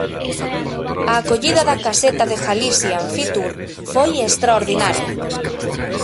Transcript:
A acollida da caseta de Galicia en Fitur foi extraordinaria.